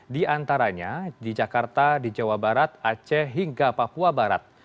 di antaranya di jakarta di jawa barat aceh hingga papua barat